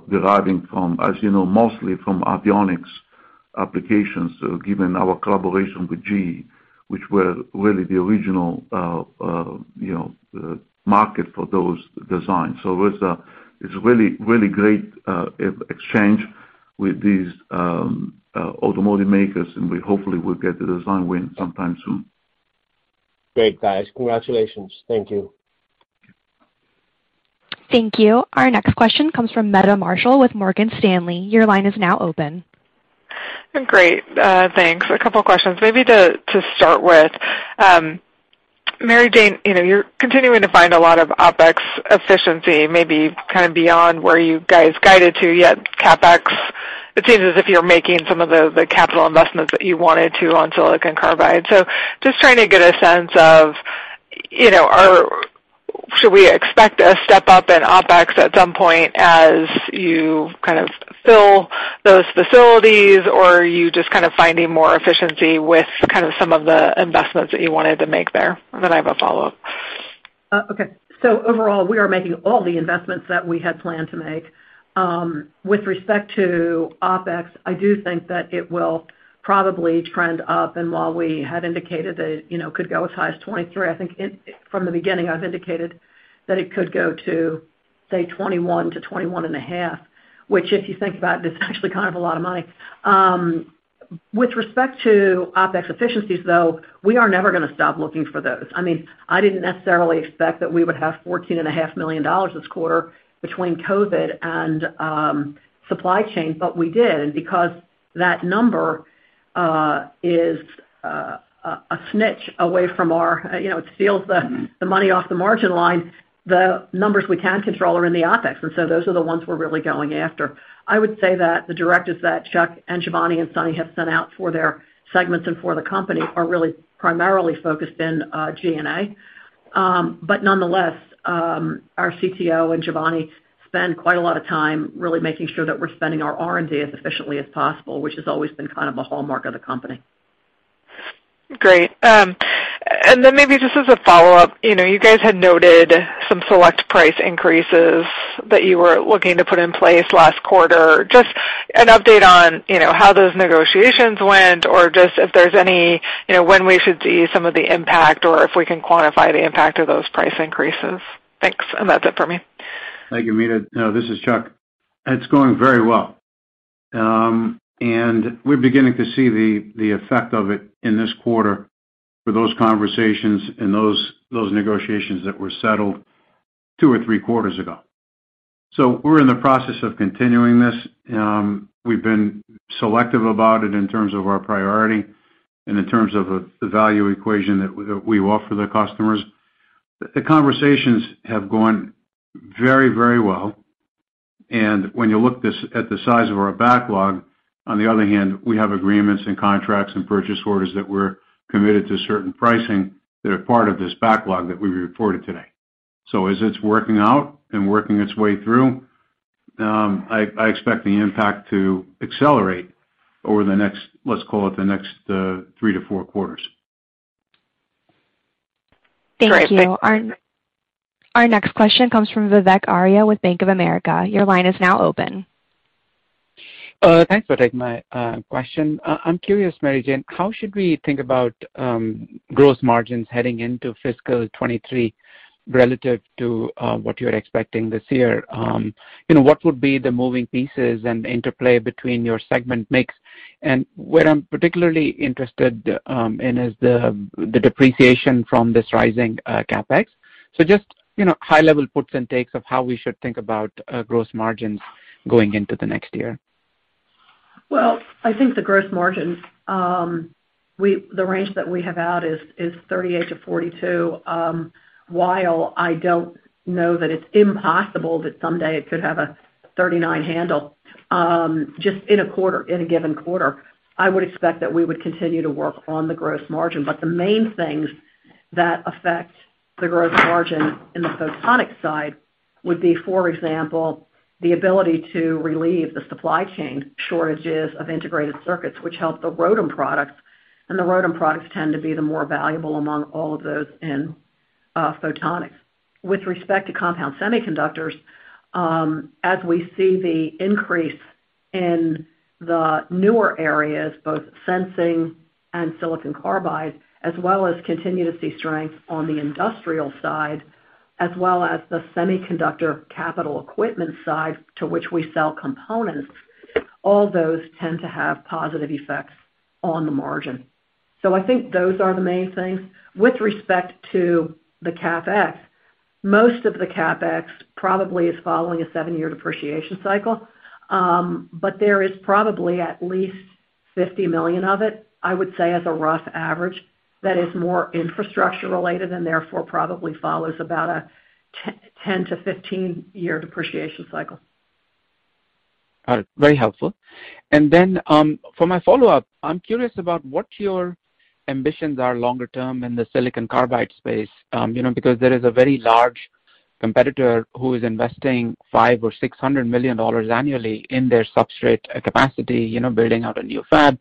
deriving from, as you know, mostly from avionics applications, given our collaboration with GE, which were really the original, you know, market for those designs. It's really great exchange with these automotive makers, and we hopefully will get the design win sometime soon. Great, guys. Congratulations. Thank you. Thank you. Our next question comes from Meta Marshall with Morgan Stanley. Your line is now open. Great. Thanks. A couple questions. Maybe to start with, Mary Jane, you know, you're continuing to find a lot of OpEx efficiency, maybe kind of beyond where you guys guided to, yet CapEx. It seems as if you're making some of the capital investments that you wanted to on silicon carbide. So just trying to get a sense of, you know, should we expect a step up in OpEx at some point as you kind of fill those facilities, or are you just kind of finding more efficiency with kind of some of the investments that you wanted to make there? Then I have a follow-up. Okay. Overall, we are making all the investments that we had planned to make. With respect to OpEx, I do think that it will probably trend up. While we had indicated that, you know, could go as high as $23 million, I think it, from the beginning, I've indicated that it could go to, say, $21 million-$21.5 million, which if you think about it, is actually kind of a lot of money. With respect to OpEx efficiencies, though, we are never gonna stop looking for those. I mean, I didn't necessarily expect that we would have $14.5 million this quarter between COVID and supply chain, but we did. Because that number is an inch away from our, you know, it's still the money off the margin line, the numbers we can control are in the OpEx. Those are the ones we're really going after. I would say that the directives that Chuck and Giovanni and Sunny have sent out for their segments and for the company are really primarily focused in G&A. But nonetheless, our CTO and Giovanni spend quite a lot of time really making sure that we're spending our R&D as efficiently as possible, which has always been kind of a hallmark of the company. Great. Maybe just as a follow-up, you know, you guys had noted some select price increases that you were looking to put in place last quarter. Just an update on, you know, how those negotiations went or just if there's any, you know, when we should see some of the impact or if we can quantify the impact of those price increases. Thanks, and that's it for me. Thank you, Meta. This is Chuck. It's going very well. We're beginning to see the effect of it in this quarter for those conversations and those negotiations that were settled two or three quarters ago. We're in the process of continuing this. We've been selective about it in terms of our priority and in terms of the value equation that we offer the customers. The conversations have gone very, very well. When you look at the size of our backlog, on the other hand, we have agreements and contracts and purchase orders that we're committed to certain pricing that are part of this backlog that we reported today. As it's working out and working its way through, I expect the impact to accelerate over the next, let's call it the next three to four quarters. Great. Thanks. Thank you. Our next question comes from Vivek Arya with Bank of America. Your line is now open. Thanks for taking my question. I'm curious, Mary Jane, how should we think about gross margins heading into fiscal 2023 relative to what you're expecting this year? You know, what would be the moving pieces and interplay between your segment mix? Where I'm particularly interested in is the depreciation from this rising CapEx. Just, you know, high-level puts and takes of how we should think about gross margins going into the next year. Well, I think the gross margins, the range that we have out is 38%-42%. While I don't know that it's impossible that someday it could have a 39 handle, just in a quarter, in a given quarter, I would expect that we would continue to work on the gross margin. The main things that affect the gross margin in the Photonics side would be, for example, the ability to relieve the supply chain shortages of integrated circuits, which help the ROADM products, and the ROADM products tend to be the more valuable among all of those in Photonics. With respect to Compound Semiconductors, as we see the increase in the newer areas, both sensing and silicon carbide, as well as continue to see strength on the industrial side, as well as the semiconductor capital equipment side to which we sell components, all those tend to have positive effects on the margin. I think those are the main things. With respect to the CapEx, most of the CapEx probably is following a seven-year depreciation cycle, but there is probably at least $50 million of it, I would say, as a rough average, that is more infrastructure related and therefore probably follows about a 10- to 15-year depreciation cycle. All right, very helpful. For my follow-up, I'm curious about what your ambitions are longer term in the silicon carbide space, you know, because there is a very large competitor who is investing $500 million-$600 million annually in their substrate capacity, you know, building out a new fab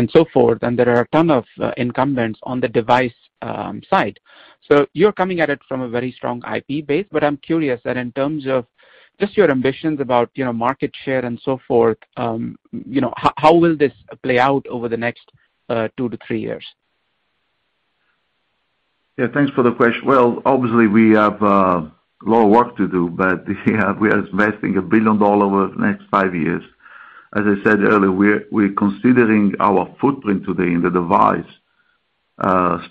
and so forth, and there are a ton of incumbents on the device side. You're coming at it from a very strong IP base, but I'm curious that in terms of just your ambitions about, you know, market share and so forth, you know, how will this play out over the next two to three years? Yeah. Thanks for the question. Well, obviously we have a lot of work to do, but we are investing $1 billion over the next five years. As I said earlier, we're considering our footprint today in the device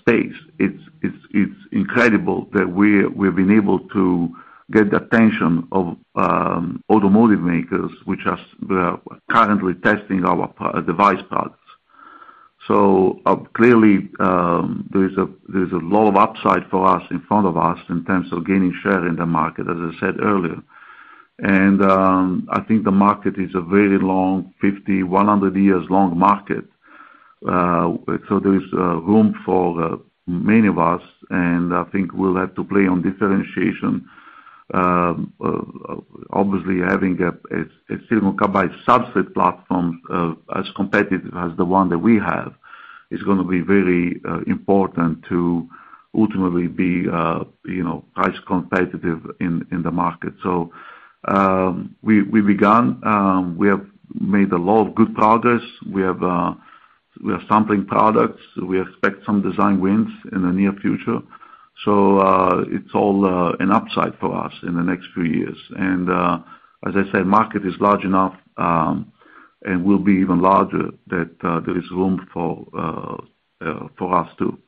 space. It's incredible that we've been able to get the attention of automotive makers, they are currently testing our device products. So, clearly, there is a lot of upside for us in front of us in terms of gaining share in the market, as I said earlier. I think the market is a very long, 50-100 years long market. So there is room for many of us, and I think we'll have to play on differentiation. Obviously having a silicon carbide substrate platform as competitive as the one that we have is gonna be very important to ultimately be, you know, price competitive in the market. We have made a lot of good progress. We are sampling products. We expect some design wins in the near future. It's all an upside for us in the next few years. As I said, market is large enough and will be even larger that there is room for us too.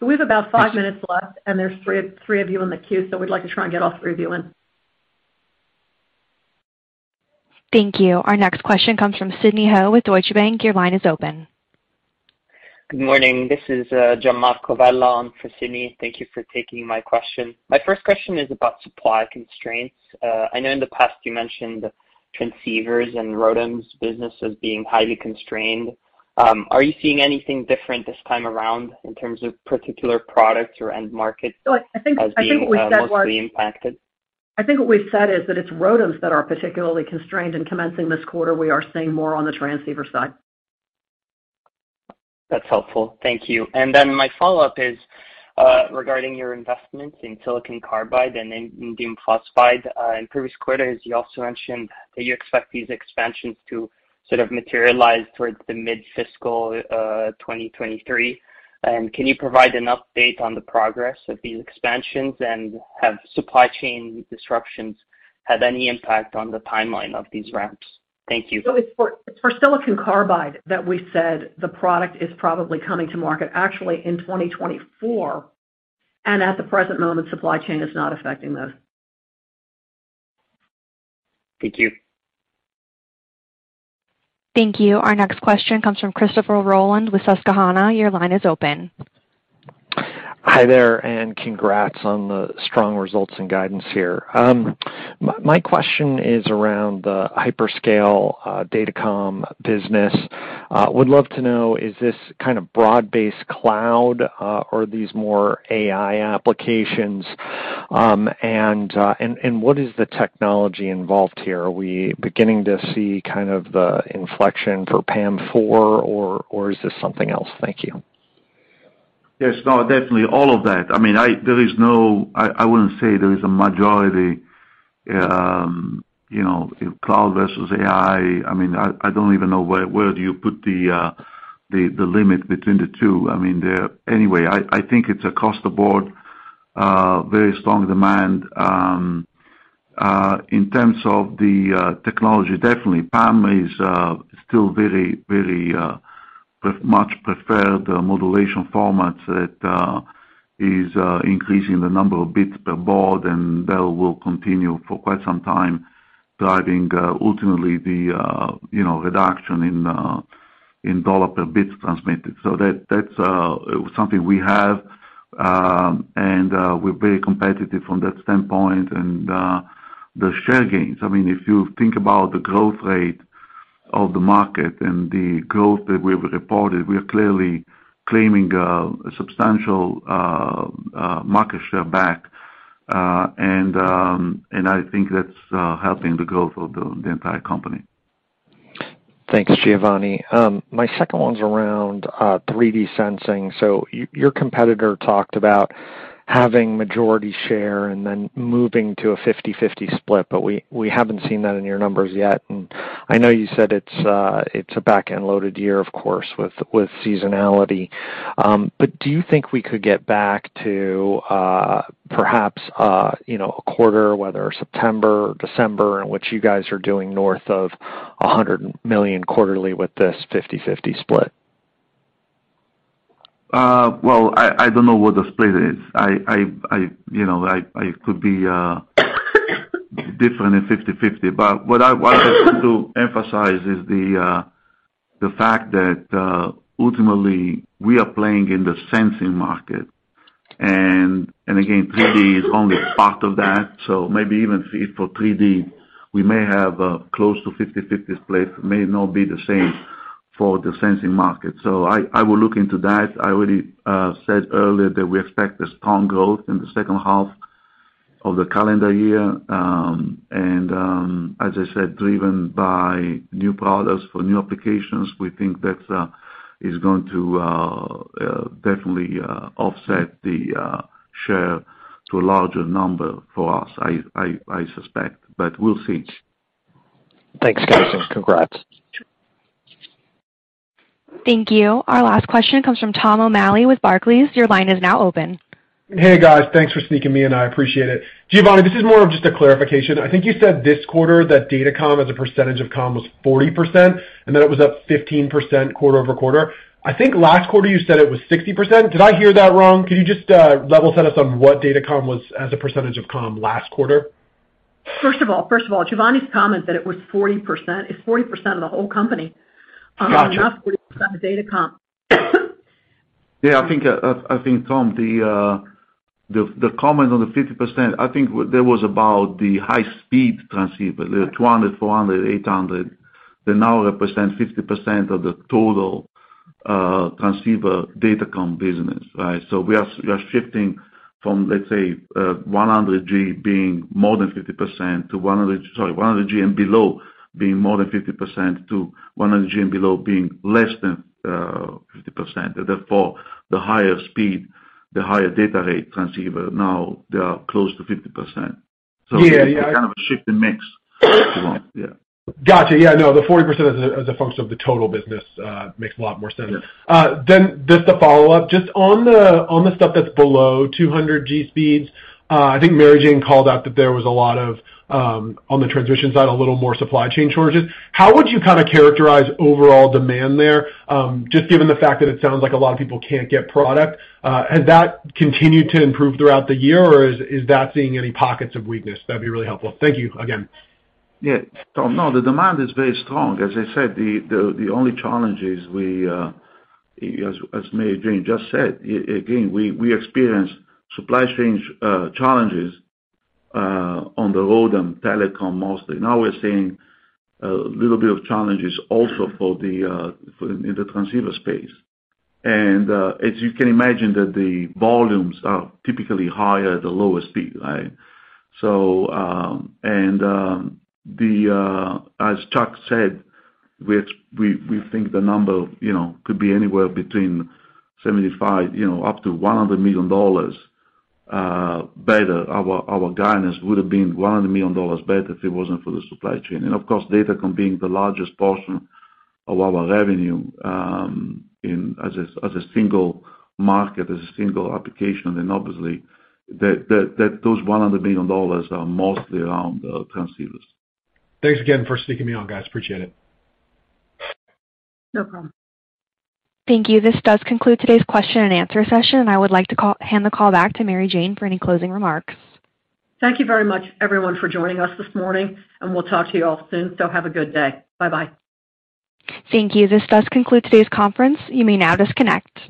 We have about five minutes left, and there's three of you in the queue, so we'd like to try and get all three of you in. Thank you. Our next question comes from Sidney Ho with Deutsche Bank. Your line is open. Good morning. This is Jean-Marc Covella on for Sidney Ho. Thank you for taking my question. My first question is about supply constraints. I know in the past you mentioned transceivers and ROADMs business as being highly constrained. Are you seeing anything different this time around in terms of particular products or end markets? I think what we said was. As being mostly impacted? I think what we've said is that it's ROADMs that are particularly constrained, and commencing this quarter, we are seeing more on the transceiver side. That's helpful. Thank you. Then my follow-up is, regarding your investments in silicon carbide and indium phosphide. In previous quarters, you also mentioned that you expect these expansions to sort of materialize towards the mid-fiscal 2023. Can you provide an update on the progress of these expansions, and have supply chain disruptions had any impact on the timeline of these ramps? Thank you. It's for silicon carbide that we said the product is probably coming to market actually in 2024, and at the present moment, supply chain is not affecting those. Thank you. Thank you. Our next question comes from Christopher Rolland with Susquehanna. Your line is open. Hi there, congrats on the strong results and guidance here. My question is around the hyperscale datacom business. Would love to know, is this kind of broad-based cloud or these more AI applications? What is the technology involved here? Are we beginning to see kind of the inflection for PAM4 or is this something else? Thank you. Yes. No, definitely all of that. I mean, I wouldn't say there is a majority, you know, cloud versus AI. I mean, I don't even know where do you put the limit between the two. I mean, anyway, I think it's across the board very strong demand. In terms of the technology, definitely PAM is still very much preferred modulation format that is increasing the number of bits per baud, and that will continue for quite some time, driving ultimately the reduction in dollars per bit transmitted. So that's something we have, and we're very competitive from that standpoint. The share gains, I mean, if you think about the growth rate of the market and the growth that we've reported, we are clearly claiming substantial market share back. I think that's helping the growth of the entire company. Thanks, Giovanni. My second one's around 3D sensing. Your competitor talked about having majority share and then moving to a 50-50 split, but we haven't seen that in your numbers yet. I know you said it's a back-end loaded year, of course, with seasonality. Do you think we could get back to, perhaps, you know, a quarter, whether September or December, in which you guys are doing north of $100 million quarterly with this 50-50 split? Well, I don't know what the split is. You know, I could be different than 50-50. What I wanted to emphasize is the fact that ultimately, we are playing in the sensing market. Again, 3D is only part of that, so maybe even say for 3D, we may have close to 50-50 split, may not be the same for the sensing market. I will look into that. I already said earlier that we expect a strong growth in the second half of the calendar year, as I said, driven by new products for new applications. We think that is going to definitely offset the share to a larger number for us, I suspect, but we'll see. Thanks, guys, and congrats. Thank you. Our last question comes from Tom O'Malley with Barclays. Your line is now open. Hey, guys. Thanks for sneaking me in. I appreciate it. Giovanni, this is more of just a clarification. I think you said this quarter that datacom as a percentage of comm was 40% and that it was up 15% quarter-over-quarter. I think last quarter you said it was 60%. Did I hear that wrong? Can you just level set us on what datacom was as a percentage of comm last quarter? First of all, Giovanni's comment that it was 40% is 40% of the whole company. Gotcha. Not 40% of Datacom. Yeah. I think, Tom, the comment on the 50%, I think there was about the high-speed transceiver, the 200Gb, 400Gb, 800Gb. They now represent 50% of the total transceiver datacom business, right? We are shifting from, let's say, 100Gb and below being more than 50% to 100Gb and below being less than 50%. Therefore, the higher speed, the higher data rate transceiver, now they are close to 50%. So it's kind of a shift in mix, if you want. Yeah. Got you. Yeah, no, the 40% as a function of the total business makes a lot more sense. Yeah. Just a follow-up. Just on the stuff that's below 200Gb speeds, I think Mary Jane called out that there was a lot of, on the transition side, a little more supply chain shortages. How would you kinda characterize overall demand there, just given the fact that it sounds like a lot of people can't get product? Has that continued to improve throughout the year, or is that seeing any pockets of weakness? That'd be really helpful. Thank you again. Yeah. No, the demand is very strong. As I said, the only challenge is we, as Mary Jane just said, again, we experience supply chain challenges on the ROADM and telecom mostly. Now we're seeing a little bit of challenges also for the transceiver space. As you can imagine, the volumes are typically higher at the lowest speed. Right? As Chuck said, which we think the number, you know, could be anywhere between 75, you know, up to $100 million better. Our guidance would have been $100 million better if it wasn't for the supply chain. Of course, Datacom being the largest portion of our revenue, in as a single market, as a single application, and obviously those $100 million are mostly around transceivers. Thanks again for sneaking me on, guys. Appreciate it. No problem. Thank you. This does conclude today's question and answer session, and I would like to hand the call back to Mary Jane for any closing remarks. Thank you very much everyone for joining us this morning, and we'll talk to you all soon. Have a good day. Bye-bye. Thank you. This does conclude today's conference. You may now disconnect.